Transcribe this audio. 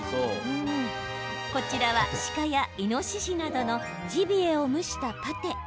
こちらは、鹿やイノシシなどのジビエを蒸したパテ。